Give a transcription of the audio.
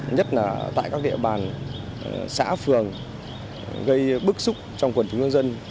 nhất là tại các địa bàn xã phường gây bức xúc trong quần chủ ngân dân